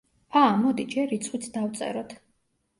ა, მოდი, ჯერ რიცხვიც დავწეროთ.